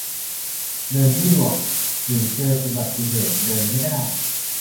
เดินไม่ดวก หรือเจออุบัติเหตุ เดินไม่ได้